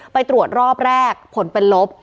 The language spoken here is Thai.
ไปตรวจรอบแรกผลเป็นลบ